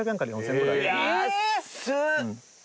安っ！